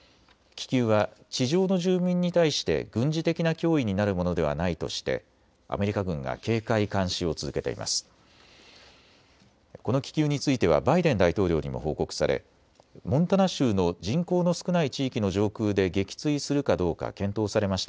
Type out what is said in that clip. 気球は地上の住民に対して軍事的な脅威になるものではないとしてアメリカ軍が警戒監視を続けています。